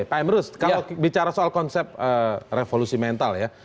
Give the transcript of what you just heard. pak emrus kalau bicara soal konsep revolusi mental ya